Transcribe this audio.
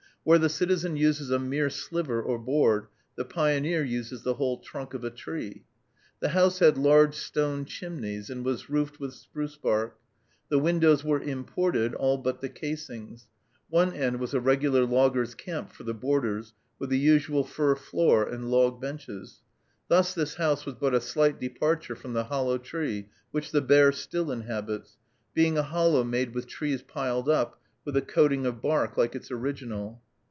Where the citizen uses a mere sliver or board, the pioneer uses the whole trunk of a tree. The house had large stone chimneys, and was roofed with spruce bark. The windows were imported, all but the casings. One end was a regular logger's camp, for the boarders, with the usual fir floor and log benches. Thus this house was but a slight departure from the hollow tree, which the bear still inhabits, being a hollow made with trees piled up, with a coating of bark like its original.